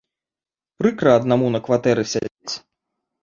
Прыкра аднаму на кватэры сядзець.